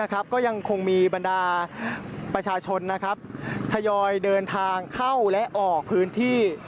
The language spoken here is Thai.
ก็ยังคงมีบรรดาประชาชนทยอยเดินทางเข้าและออกพื้นที่